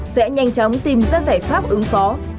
sẽ nhanh chóng tìm ra giải pháp ứng phó